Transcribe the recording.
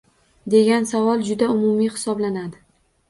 Degan savol juda umumiy hisoblanadi